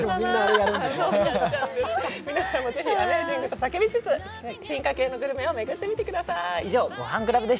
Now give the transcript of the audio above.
皆さんもぜひ、Ａｍａｚｉｎｇ！！と叫びつつ、進化系のグルメを巡ってみてください。